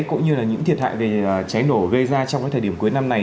cũng như là những thiệt hại về cháy nổ gây ra trong cái thời điểm cuối năm này